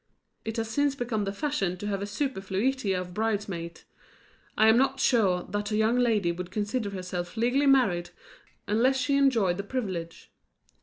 It has since become the fashion to have a superfluity of bridesmaids: I am not sure that a young lady would consider herself legally married unless she enjoyed the privilege.